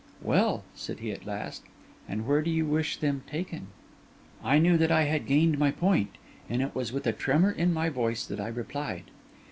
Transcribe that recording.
'Well,' said he at last, 'and where do you wish them taken?' I knew that I had gained my point; and it was with a tremor in my voice that I replied.